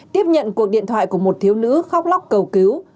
tiếp nhận cuộc điện thoại của một thiếu nữ khóc lóc cầu cứu